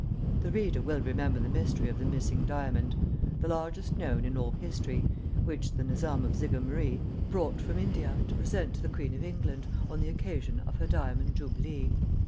The reader will remember the mystery of the missing diamond the largest known in all history, which the Nizam of Jigamaree brought from India to present to the Queen of England, on the occasion of her diamond jubilee.